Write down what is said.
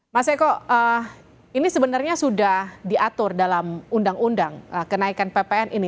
mas eko ini sebenarnya sudah diatur dalam undang undang kenaikan ppn ini